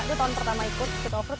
itu tahun pertama ikut street offroad